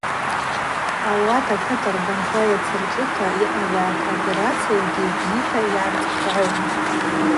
Ауат акыт аргванква йацырчӏвыта йаъаз акооперациягьи бзита йгӏарцхърыгӏун.